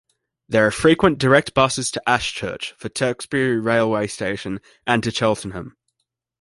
There are frequent direct buses to Ashchurch for Tewkesbury railway station and to Cheltenham.